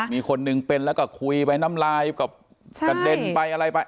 มีคนหนึ่งเป็นแล้วก็คุยไปน้ำลายก็กระเด็นไปอะไรไป